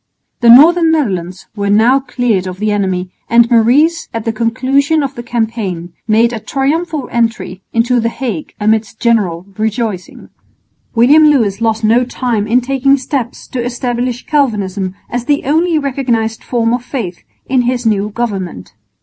The northern Netherlands were now cleared of the enemy, and Maurice at the conclusion of the campaign made a triumphal entry into the Hague amidst general rejoicing. William Lewis lost no time in taking steps to establish Calvinism as the only recognised form of faith in his new government.